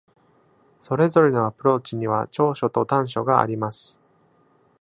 それぞれのアプローチには長所と短所があります。